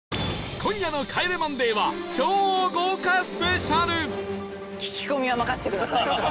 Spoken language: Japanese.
今夜の『帰れマンデー』は超豪華スペシャル